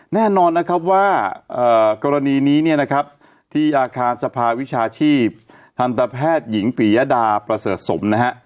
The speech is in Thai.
แน่นอนนะครับว่ากรณีนี้เนี่ยนะครับที่อาคารสภาวิชาชีพทันตแพทย์หญิงปียดาประเสริฐสมนะฮะ